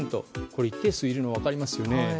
一定数いるのが分かりますよね。